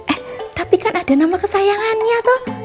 eh tapi kan ada nama kesayangannya tuh